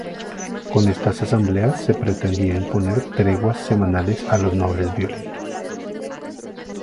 Con estas asambleas se pretendía imponer treguas semanales a los nobles violentos.